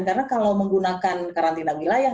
karena kalau menggunakan karantina wilayah